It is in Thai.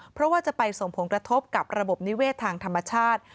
เพราะว่าจะไปส่งผลกระทบกับระบบนิเวศทางธรรมชาติ